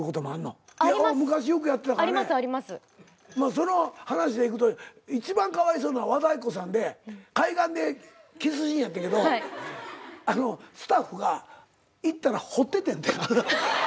その話でいくと一番かわいそうなのは和田アキ子さんで海岸でキスシーンやってんけどスタッフが行ったら掘っててんて穴。